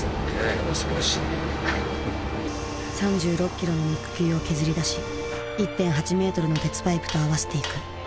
３６キロの肉球を削り出し１．８メートルの鉄パイプと合わせていく。